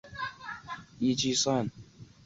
第五子为尹继善。